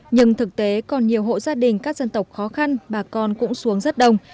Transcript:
nhưng thực tế còn nhiều hộ gia đình các dân tộc khó khăn bà con cũng xuống rất đông